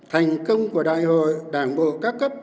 thành công của đại hội đảng bộ các cấp